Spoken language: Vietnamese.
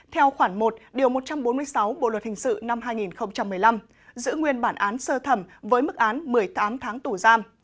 theo khoản một điều một trăm bốn mươi sáu bộ luật hình sự năm hai nghìn một mươi năm giữ nguyên bản án sơ thẩm với mức án một mươi tám tháng tù giam